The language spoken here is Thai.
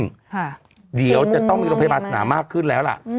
ค่ะเดี๋ยวจะต้องมีโรงพยาบาลสนามมากขึ้นแล้วล่ะ